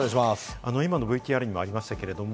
今のＶＴＲにもありましたけれども、